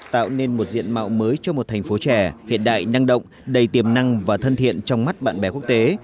tạo nên một diện mạo mới cho một thành phố trẻ hiện đại năng động đầy tiềm năng và thân thiện trong mắt bạn bè quốc tế